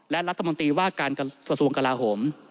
และรัฐมนตรีว่าการกระทรวงกลาโหม